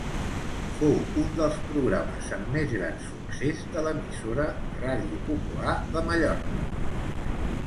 Fou un dels programes amb més gran succés de l'emissora, Ràdio Popular de Mallorca.